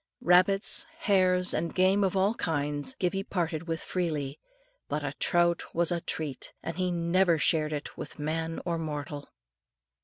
Rabbits, hares, and game of all kinds, Gibbie parted with freely; but a trout was a treat, and he never shared it with man or mortal.